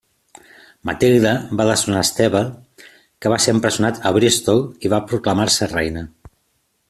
Matilde va destronar Esteve, que va ser empresonat a Bristol, i va proclamar-se reina.